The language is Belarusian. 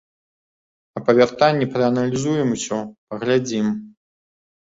А па вяртанні прааналізуем усё, паглядзім.